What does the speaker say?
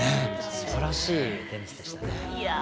すばらしいテニスでしたね。